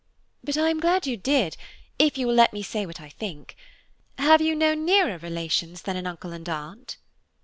"But I am glad you did, if you will let me say what I think. Have you no nearer relations than an uncle and aunt?"